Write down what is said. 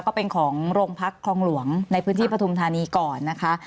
ก็เป็นของโรงพักธรรมหลวงในพื้นที่ประธุมธรรมนี้ก่อนนะคะ